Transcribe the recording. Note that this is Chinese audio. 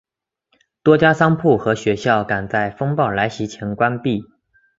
多家商铺和学校赶在风暴来袭前关闭。